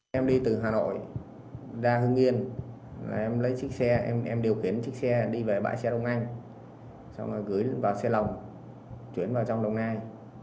xong rồi gửi vào xe lồng chuyển vào trong đồng nai